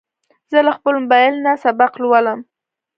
زه له خپل موبایل نه سبق لولم.